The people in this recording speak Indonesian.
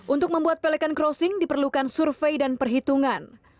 untuk membuat pelikan crossing diperlukan survei dan perhitungan